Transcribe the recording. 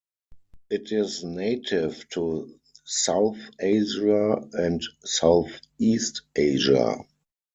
It is native to South Asia and Southeast Asia.